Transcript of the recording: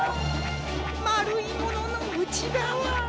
まるいもののうちがわ。